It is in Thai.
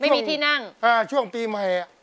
ไม่มีที่นั่งช่วงปีมหาย